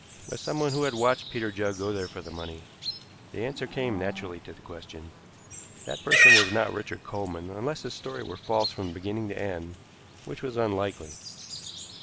By someone who had watched Peter Judd go there for the money. The answer came naturally to the question. That person was not Richard Coleman, unless his story were false from beginning to end, which was unlikely.